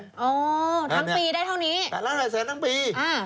อ๋อทั้งปีได้เท่านี้๘ล้าน๘แสนทั้งปีอ่า